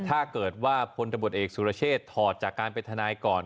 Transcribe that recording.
ถ้าเกิดว่าพลตำรวจเอกสุรเชษฐถอดจากการเป็นทนายก่อน